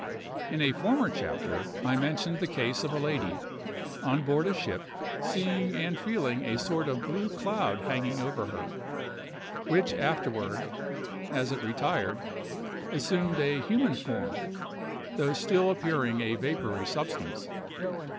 In a former chapter, I mentioned the case of a lady, on board a ship, seeing and feeling a sort of blue cloud hanging over her, which afterward, as it retired, assumed a human form, though still appearing a vapory substance.